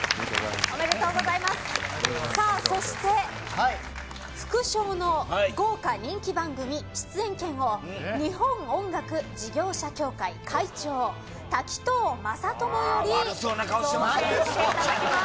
そして副賞の豪華人気番組出演権を日本音楽事業者協会会長瀧藤雅朝より悪そうな顔してます。